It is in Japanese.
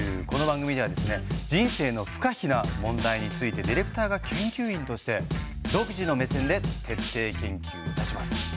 この番組ではですね人生の不可避な問題についてディレクターが研究員として独自の目線で徹底研究いたします。